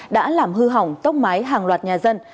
đã làm hư hỏng tốc mái hàng loạt nhà dân